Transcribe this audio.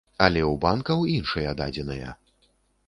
Але ў банкаў іншыя дадзеныя.